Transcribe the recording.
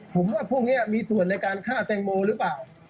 ผมว่าพวกนี้มีส่วนในการฆ่าแตงโมหรือเปล่า